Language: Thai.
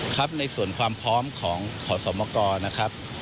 ครับในส่วนความพร้อมของขอสมกรนะครับ